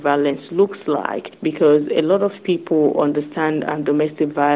karena banyak orang memahami keguguran domestik